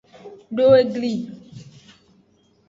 Do egli.